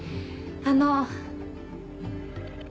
あの。